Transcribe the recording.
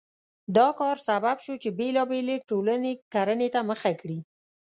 دا کار سبب شو چې بېلابېلې ټولنې کرنې ته مخه کړي.